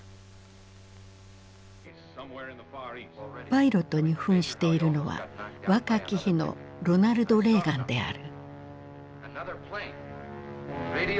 パイロットに扮しているのは若き日のロナルド・レーガンである。